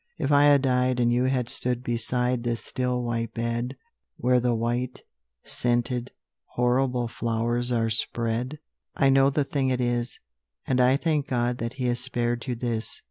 If I had died And you had stood beside This still white bed Where the white, scented, horrible flowers are spread, I know the thing it is, And I thank God that He has spared you this.